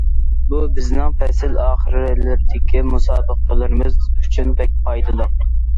بۇ بىزنىڭ پەسىل ئاخىرلىرىدىكى مۇسابىقىلىرىمىز ئۈچۈن بەك پايدىلىق.